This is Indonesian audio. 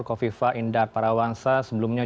kofifa indar parawangsa sebelumnya